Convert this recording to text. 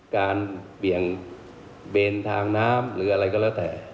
เบี่ยงเบนทางน้ำหรืออะไรก็แล้วแต่